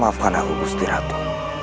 maafkan aku gusti ratu